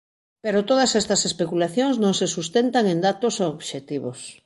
Pero todas estas especulacións non se sustentan en datos obxectivos.